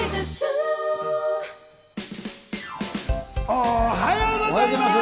おはようございます！